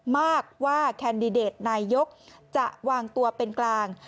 มากว่าแคนดิเดตนายกจะวางตัวเป็นกลาง